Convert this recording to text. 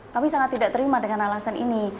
kami sangat tidak terima dengan alasan ini